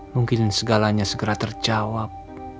mungkin segalanya segera terjawab